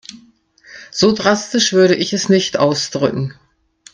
So drastisch würde ich es nicht ausdrücken.